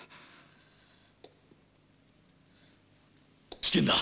危険だ！